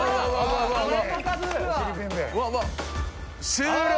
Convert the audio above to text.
終了！